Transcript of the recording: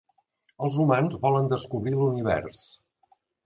Els humans volen descobrir l’univers.